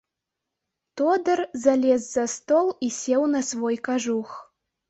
Тодар залез за стол і сеў на свой кажух.